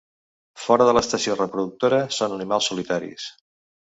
Fora de l'estació reproductora són animals solitaris.